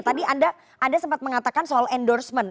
tadi anda sempat mengatakan soal endorsement